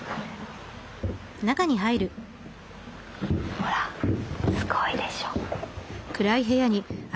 ほらすごいでしょ。